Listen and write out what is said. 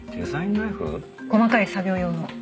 細かい作業用の。